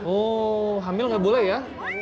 oh hamil nggak boleh ya